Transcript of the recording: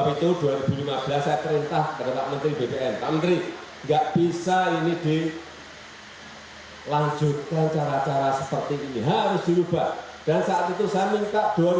inilah inilah problem yang harus saya sampaikan